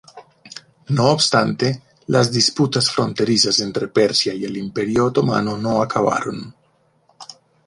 No obstante, las disputas fronterizas entre Persia y el Imperio Otomano no acabaron.